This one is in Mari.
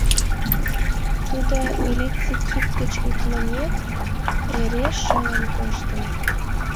Тудо, милиций кид гыч утлымек, эре шылын коштын.